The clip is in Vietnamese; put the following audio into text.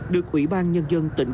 được ủy ban nhân dân